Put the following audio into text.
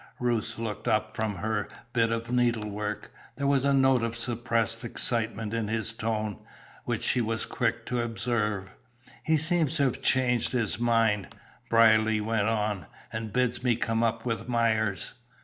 Ruth looked up from her bit of needlework. There was a note of suppressed excitement in his tone, which she was quick to observe. "He seems to have changed his mind," Brierly went on, "and bids me come up with Myers."